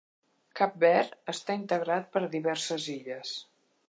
Cap Verd està integrat per diverses illes.